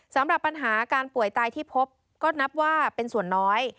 สำหรับปัญหาการป่วยตายที่พบก็นับว่าเป็นส่วนน้อย